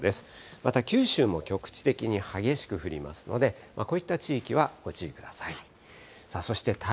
また九州も局地的に激しく降りますので、こういった地域はご注意ください。